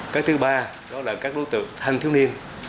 cái thứ ba đó là các đối tượng thanh thiếu niên